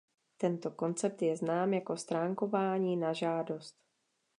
Tento koncept je znám jako stránkování na žádost.